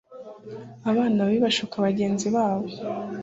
abana babi bashuka bagenzi babo